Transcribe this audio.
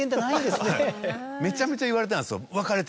めちゃめちゃ言われたんですよ。